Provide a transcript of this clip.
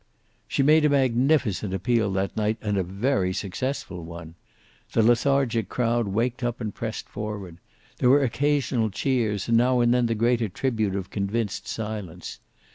She made a magnificent appeal that night, and a very successful one. The lethargic crowd waked up and pressed forward. There were occasional cheers, and now and then the greater tribute of convinced silence.